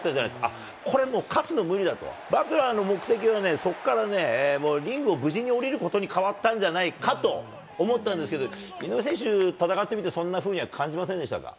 あっ、これ、もう勝つの無理だと、バトラーの目的はそこからね、もうリングを無事に下りることに変わったんじゃないかと思ったんですけど、井上選手、戦ってみて、そんなふうには感じませんでしたか？